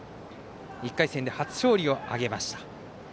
１回戦で初勝利を挙げました。